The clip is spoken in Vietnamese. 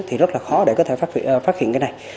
thì rất là khó để có thể phát hiện cái này